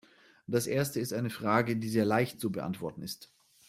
Das erste ist eine Frage, die sehr leicht zu beantworten ist.